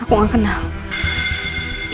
aku gak kenal